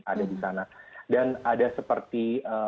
ada di sana dan ada seperti